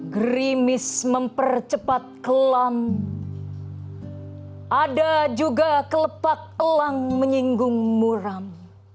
gerimis mempercepat kelam ada juga kelepak elang menyinggung muram